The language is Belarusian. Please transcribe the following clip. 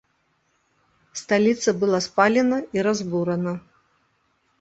Сталіца была спалена і разбурана.